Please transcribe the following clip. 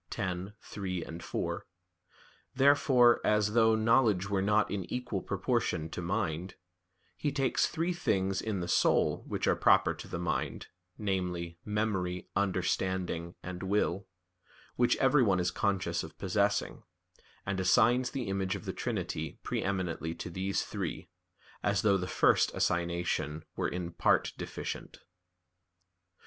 x, 3,4); therefore, as though knowledge were not in equal proportion to mind, he takes three things in the soul which are proper to the mind, namely, memory, understanding, and will; which everyone is conscious of possessing; and assigns the image of the Trinity pre eminently to these three, as though the first assignation were in part deficient.